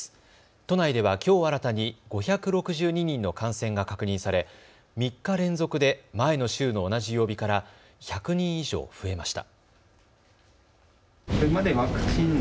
都内ではきょう新たに５６２人の感染が確認され３日連続で前の週の同じ曜日から１００人以上増えました。